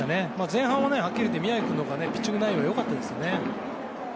前半は、はっきり言って宮城の方がピッチング内容よかったですね。